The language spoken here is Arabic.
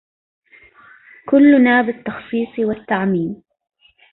كلنا بالتخصيص والتعميم